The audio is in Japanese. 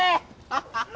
ハハハハ！